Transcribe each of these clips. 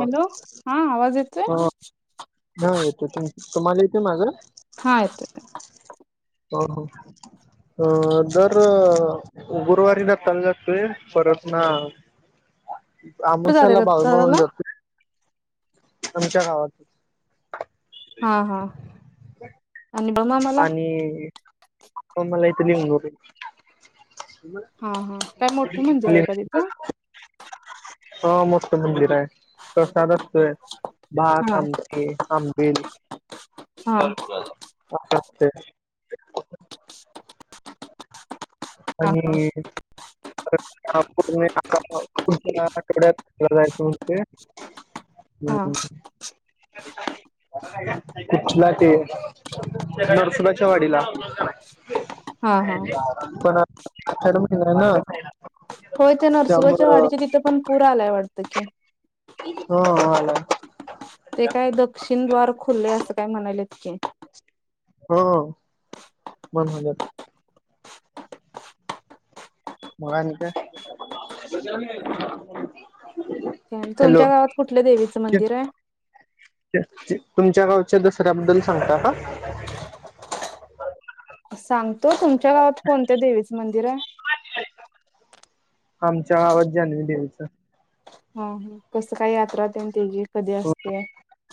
Hello हा आवाज येतोय ह हा येतोय कि तुम्हाला येतोय माझा हा येतोय हो हो अ दर गुरुवारी दत्ताला जातोय परत ना कुठे जाताय आमोशाला दत्ताला बाळूमामाला जातोय आमच्या गावात हा हा आणि बमा मला आणि त मला इथे [unintelligible] हा हा काय मोठं मंदिर आहे का तिथं हा मोठं मंदिर आहे प्रसाद असतोय भात हा आमठीे आंबील हा असं असंतय हा आणि आठवड्यातला जायचं म्हणजे ह हा कुठला ते नर्सुबाच्या वाडीला हा हा पण अठड महिन आहे ना होय ते नरसुहाच्या त्यामुळं वाडीचे तिथं पण पूरा आलाय वाटतं की हो हला ते काय दक्षिण दवार खुल्ले असं काय म्हणाले इतके हा मन मलााक तुमच्या गावात कुठले देवीचं मंदिर आहे तुमच्या गावच्या दसऱ्याबद्दल सांगता का सांगतो तुमच्या गावात कोणत्या देवीचं मंदिर आहे आमच्या आवाजनी द्यायचं ह कस काय यात्रा त्याचीी कधी असते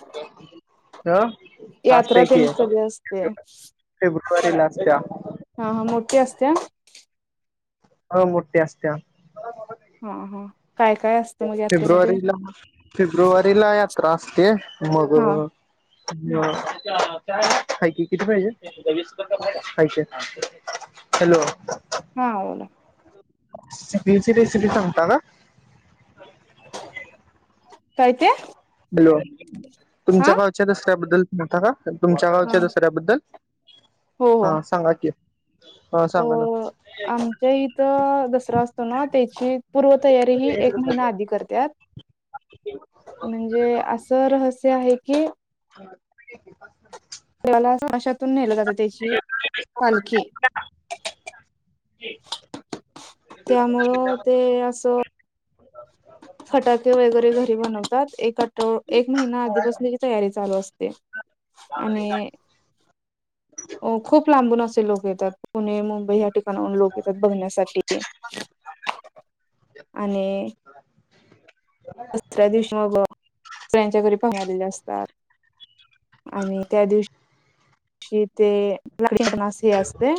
हो का ह यात्रा आजत की तेन आहे कधी असते फेब्रुवारीला अस हा हा मोठी असते ह मोूर्ती असते हा हा काय काय असतं मग यात्रेमध्ये फेब्रुवारीला फेब्रुवारीला यात्रा असते मग हा हो का क किती पाहिजे हॅलो हा बला स ब सि री सिटी सांगता का कायते हॅलो तुमच्या गावच्या दसऱ्याबद्दल सांगता का तुमच्या गावच्या दसऱ्याबद्दल हो हो हा सांगा की हा सांग ना अ आमच्या इथं दसरा असतो ना त्याची पूर्वतयारी ही एक महिना आधी करते म्हणजे असं रहस्य आहे की ह तलामाशातून नेलं जातं त्याची पालखी त्यामुं ते असं फटाके वगैरे घरी बनवतात एक आठ एक महिना आधीपासून तयारी चालू असते आणि खूप लांबून असे लोक येतात पुणे मुंबई ठिकाणाून लोक येतात बघण्यासाठी आणि दसऱ्या दिवशी मग दसऱ्यांच्या घरी पह आलेले असतात आणि त्या दिवशी श तेना स असते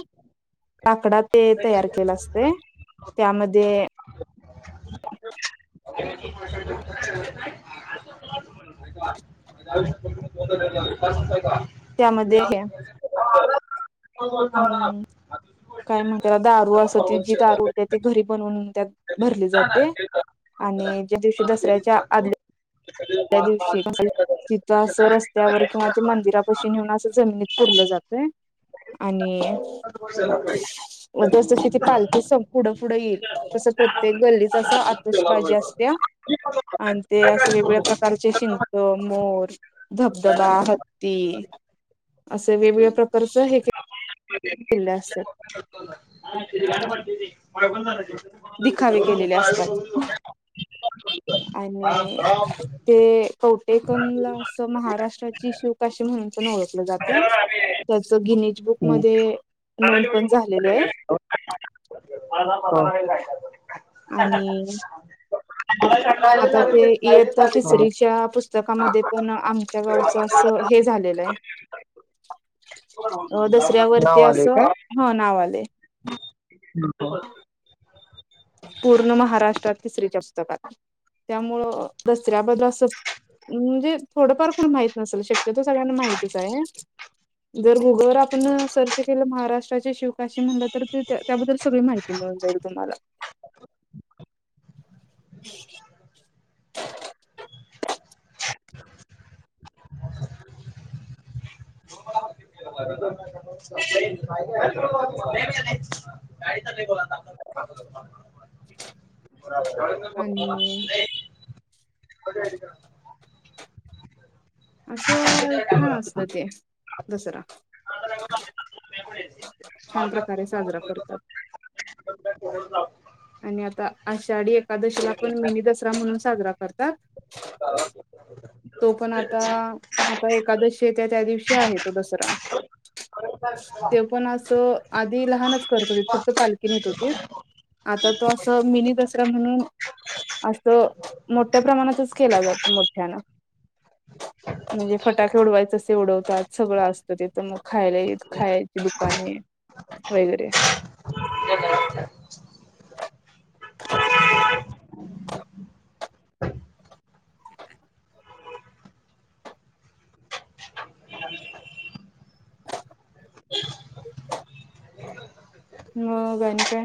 काकडात ते तयार केलं असते त्यामध्ये [inaudible] य का त्यामध्ये हे [inaudible] हम्म काय म्हणतेला दारू अस त जी दारूते ती घरी बनवून त्या काय म्हणतेला दारू अस त जी दारूते ती घरी बनवून त्या काय म्हणतेला दारू अस त जी दारूते ती घरी बनवून त्या असं रस्त्यावर किंवा ते मंदिरापशी नेऊन असं जमिनीत पुरलं जातय आणि ह जसं किथती पालखी पुढं पुढं येईल तसं प्रत्येक गल्लीच अस आतुषबाजी असत्या आणि ते असं वगळ प्रकारचे शिंक मोर धबधबा हत्ती असे वेगवेगळ्या प्रकारचं हे कला असल. हा पती म बण झा. दिखावे केलेले असतात. आणि. ते कवटेकनला असं महाराष्ट्राची शिवकाशी म्हणून प ओळखलं जातं. त्याच गिनीज बुक हम्म मध्ये नोंद पण झालेली आहे. ह ना म का. आणि. आता ते इयत्ता तिसरीच्या पुस्तकामध्ये पण आमच्या गावचं असं हे झालेलं आहे. हो हो. कुत्यावरती अस ह नाव आले. पूर्ण महाराष्ट्रात तिसरी्याच्या पुस्तकात त्यामुळं दसऱ्या बदल असं. म्हणजे थोडंफार कोण माहित नसेल शक्यतो सगळ्यांना माहितच आहे. जर गुगलवर आपण सर्च केलं महाराष्ट्राचे शिवकाशी म्हणलं तर त्या त्याबद्दल सगळी माहिती. माहीत मिळून जाईल तुम्हाला. ह. [inaudible] गाडीचा नाही बला ना आप. आणि नाही क. असं छान असत ते दसरा. म ये. छान प्रकारे साजरा करतात. हो आणि आता आषाढी एकादशीला पण मिनी दसरा म्हणून साजरा करतात. [inaudible] तो पण आता आता एकादशी येत्या त्या दिवशी आहे तो दसरा. ते पण असं आधी लहानच त होते फक्त पालखी नेत होती आता तो अस मिनी दसरा म्हणून. असं मोठ्या प्रमाणातच केला जातो मोठ्यानं. म्हणजे फटाके उडवायचें अस उडवतात सगळं असतं ते तर मग खायला खायची दुकान आहे. [inaudible] [inaudible] मग आणि काय?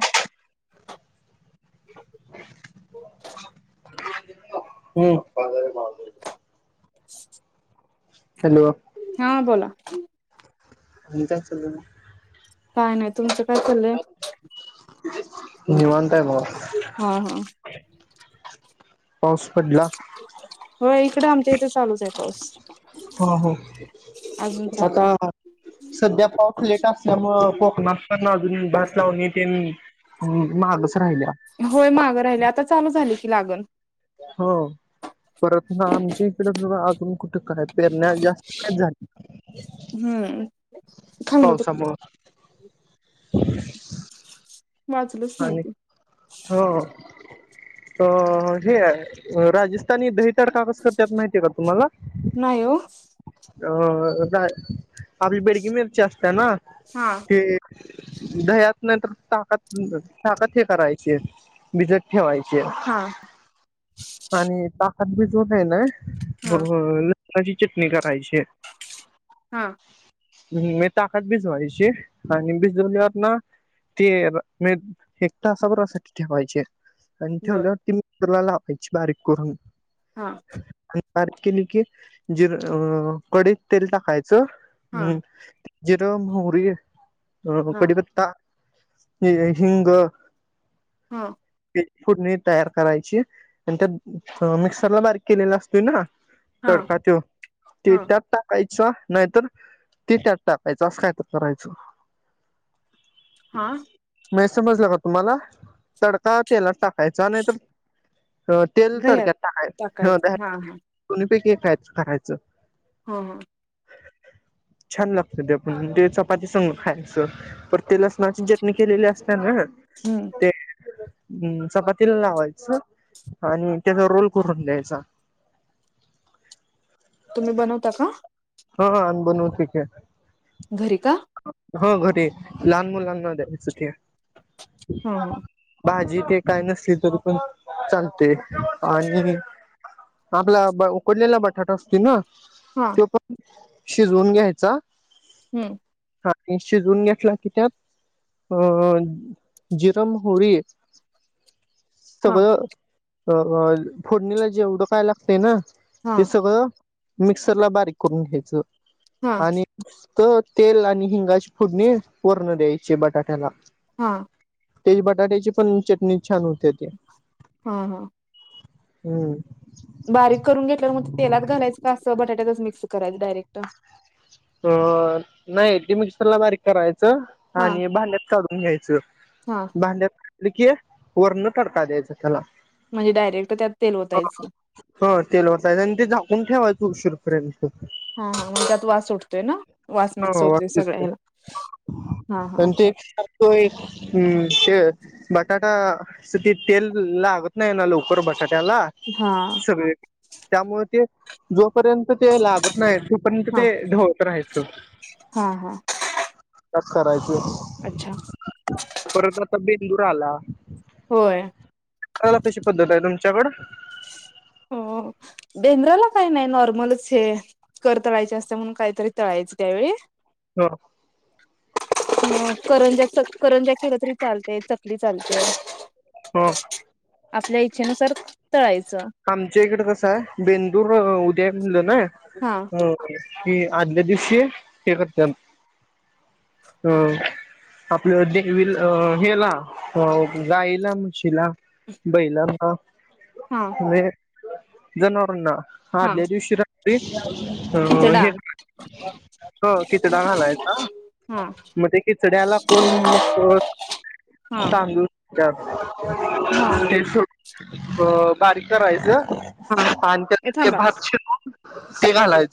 हम्! [inaudible] हॅलो! हा बोला. आणि काय चालाय मगं. काय नाही तुमचं काय चालंय. निवांत आहे बघा हा हा. पाऊस पडला? हो इकडं आमच्या इथे चालूच आहे पाऊस. हा. हो अजून चालू आता आहे सध्या पाऊस लेट असल्यामूळ कोकणात पण अजून भात लावणी ते ह मागच राहिल्या. होय मागं राहिले आता चालू झाले की लागन. हो परत ना आमच्या इकडे बघा अजून कुठे काय. पेरण्या जास्त नाहीत झाल्या. हम्म! [inaudible] पावसामुळं वाचलंच आणि नाहीत हो अ हे राजस्थानी दहिताड कागजकर्त्यात माहिती आहे का तुम्हाला. नाही ओ. अ नाही आपली बेडगी मिरची असते ना हा हे दह्यात नाही तर ताकात ताकद येत असते. चिप्स भिजत ठेवायचे. हा,, आणि ताकद बी जो आहे ना हा बरोबर लसणाची चटणी करायची. हा,,, भुमे ताकात भिजवायचे आणि भिजवल्यावर ना ते मी एकता सबरासाठी ठेवायचे. आणि बर ठेवल्यावरती मित्रला लावायची बारीक करून हा. आ. आणि बारिक केली की जिरं कढईत तेल टाकायचं हा हम् जिरं मोहरी हा कडीपत्ता ये हिंग. हा,,,, हीफोडणी तयार करायची आणि त्यात मिक्सरला बारीक केलेला असतोय ना हा तडका त्यो ते हा त्यात टाकायचा नाहीतर ते त्यात टाकायचं अस काय तर करायचं हा म्हणजे समजलं का तुम्हाला तडका तेलात टाकायचा नाहीं ह तेल दह्यात तडक्यात टाकाय टाकायचं हा हा दोन् पैकीयच टरायचं हा अ छान लागतं ते आपण ते चपाती संग खायचं पर ते लसणाची चटणी केलेली असनार ना हम्म ते हम्म चपातीला लावायचं आणि त्याचा रोल करून द्यायचा तुम्ही बनवता का? हा अन् बनवू ठीके घरी कर ह घरीे लहान मुलांना द्यायचं ते ह भाजी ते काय नसली तरी पण चालते आणि आपला उकडलेला बटाटा असते ना आ.,,, तो शिजवून घ्यायचा हम्म हा आणि शिजवून घेतला की त्यात अ, जिरं मोहरी हा सगळं अ फोडणीला जेवढं काय लागतयं ना हा ते सगळं मिक्सरला बारीक करून घ्यायचं हा आणि निस्त तेल आणि हिंगाची फोडणी वरनं द्यायची बटाट्याला हा ति बटाट्याची पण चटणी छान होते ते हा अ हम्म बारीक करून घेतल्यावर मग तेलात घालायचं का असं बटाट्यातच मिक्स करायचं डायरेक्ट अ नाही ती मिक्सरला बारीक करायचं. हा आणि भांड्यात काढून घ्यायचं हा भांड्यात काढलं की वरनं तडका द्यायचं त्याला म्हणजे डायरेक्ट त्यात तेल ओतायचं. ह तेल वतायचं आणि ते झाकून ठेवायचं उशीरपर्यंत हा हा म्हणजे त्यात वास उठतोय ना, वास मिक्स हो होतोय आणि ते सगळ्याला हा हा अच्छा होय हुं श बटाटा असं ते तेल लागत नाही ना लवकर बटाट्याला हा त्यामुळे ते जोपर्यंत ते लागत नाही तोपर्यंत हा ते ढव राहायचं हा हा तास करायच अच्छा परत आता बेंदूर आला. होय बेंद्राला कशी पद्धत आहे तुमच्याकडं? हो बेंद्राला काही नाही नॉर्मलच हे कर तळायची असत्या म्हणून काहीतरी तळायचं त्यावेळी हो अ करंज्या करंज्या केलं तरी चालतंय, चकली चालते. ह. आपल्या इच्छेनुसार तळायचं. आमच्या इकड कसं आहे बेंदूर उद्या आहे म्हणलं हा ना कि आदल्या दिवशी हे करत्यात ह आपलं देवी हेला गाईला, म्हशीला बैलांना हा म्हणजे जनावरांना हा आदल्या दिवशी रात्री हो खिचडा हे हो खिचडा घालायचा. हा मग ते खिचड्याला कोण मग हा तांदूळ हा बारीक करायचं हा आणि त्या ए ते थांबा भात शिजवून ते घालायचं.